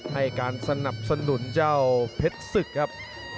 ให้การสนับสนุนเจ้าเพชรศึกครับ